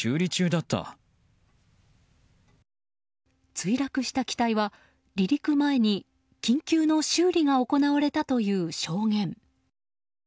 墜落した機体は、離陸前に緊急の修理が行われたという証言。